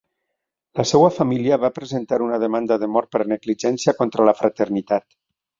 La seva família va presentar una demanda de mort per negligència contra la fraternitat.